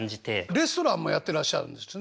レストランもやってらっしゃるんですよね？